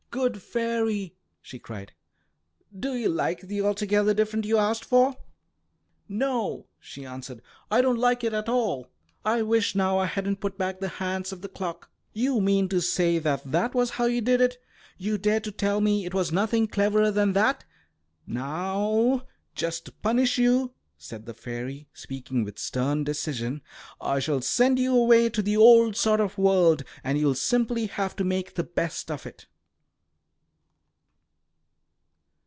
"Good fairy!" she cried. "Do you like the altogether different you asked for?" "No," she answered, "I don't like it at all. I wish now I hadn't put back the hands of the clock." "You mean to say that that was how you did it? You dare to tell me it was nothing cleverer than that? Now, just to punish you," said the fairy, speaking with stern decision, "I shall send you away to the old sort of world, and you'll simply have to make the best of it."